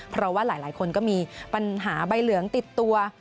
เพราะว่าหลายคนก็มีปัญหาใบเหลืองติดตัว